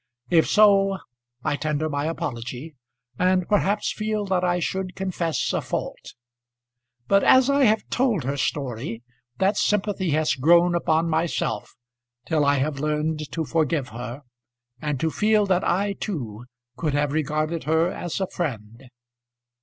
If so, I tender my apology, and perhaps feel that I should confess a fault. But as I have told her story that sympathy has grown upon myself till I have learned to forgive her, and to feel that I too could have regarded her as a friend.